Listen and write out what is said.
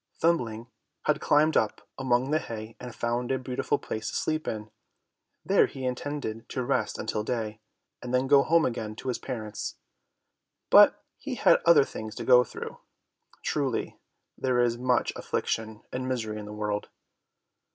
Thumbling had climbed up among the hay and found a beautiful place to sleep in; there he intended to rest until day, and then go home again to his parents. But he had other things to go through. Truly, there is much affliction and misery in this world!